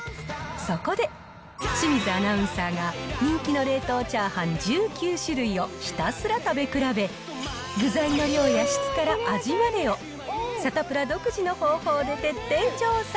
そこで、清水アナウンサーが人気の冷凍チャーハン１９種類をひたすら食べ比べ、具材の量や質から味までを、サタプラ独自の方法で徹底調査。